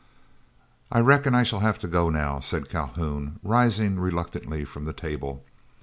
"I reckon I shall have to go now," said Calhoun, rising reluctantly from the table.